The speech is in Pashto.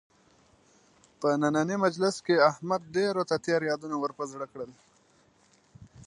په نننۍ مجلس کې احمد ډېرو ته تېر یادونه ور په زړه کړل.